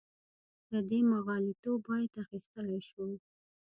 له دې مغالطو باید اخیستلی شو.